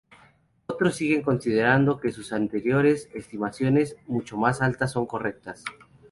Otros siguen considerando que sus anteriores estimaciones, mucho más altas, son correctas.